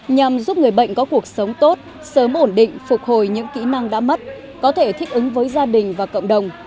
nhằm giúp người bệnh có cuộc sống tốt sớm ổn định phục hồi những kỹ năng đã mất có thể thích ứng với gia đình và cộng đồng